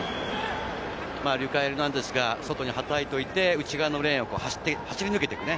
リュカ・エルナンデスが外にはたいておいて内側を走り抜けていく。